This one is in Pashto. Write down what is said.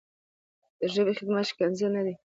د ژبې خدمت ښکنځل نه دي.